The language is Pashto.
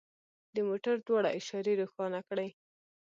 د موټر دواړه اشارې روښانه کړئ